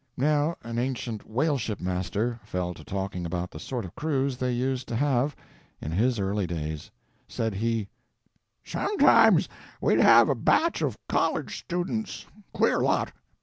Now an ancient whale ship master fell to talking about the sort of crews they used to have in his early days. Said he: "Sometimes we'd have a batch of college students. Queer lot.